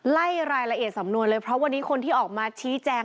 ไล่รายละเอียดสำนวนเลยเพราะวันนี้คนที่ออกมาชี้แจง